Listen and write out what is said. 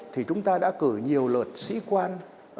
thì chúng ta đã cử nhiều lượt sĩ quan